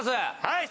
はい。